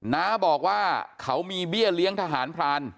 น้าบอกว่าเขามีเบี้ยเลี้ยงทหารพราน